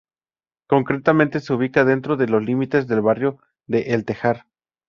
Concretamente se ubica dentro de los límites del barrio de El Tejar.